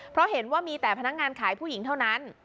เพราะเห็นว่ามีแต่พนักงานขายผู้หญิงเท่านั้น